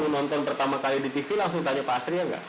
waktu nonton pertama kali di tv langsung tanya pak sria gak